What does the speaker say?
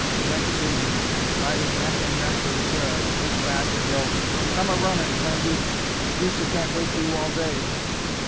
Jack Gaines, riding neck and neck with the Sheriff, looked back and yelled, "Come a runnin', Pendy! The greaser can't wait for you all day!"